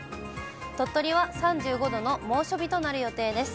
鳥取は３５度の猛暑日となる予定です。